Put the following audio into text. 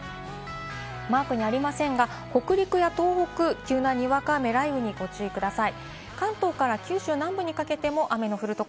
マークにありませんが、北陸、東北、急なにわか雨、雷雨にご注意ください。